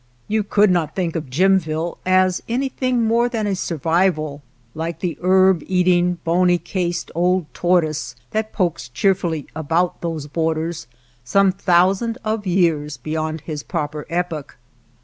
You could not think of Jimville as any thing more than a survival, like the herb eating, bony cased old tortoise that pokes cheerfully about those borders some thou sands of years beyond his proper epoch.